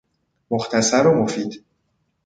مختصر و مفید